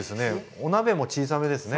お鍋も小さめですね。